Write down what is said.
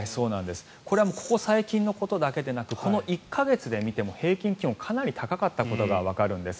これはここ最近のことだけでなくこの１か月で見ても平均気温がかなり高かったことがわかるんです。